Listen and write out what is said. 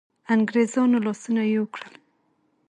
انګرېزانو لاسونه یو کړل.